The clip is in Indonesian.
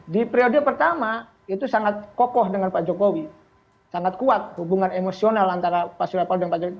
di periode pertama itu sangat kokoh dengan pak jokowi sangat kuat hubungan emosional antara pak surya palo dan pak jokowi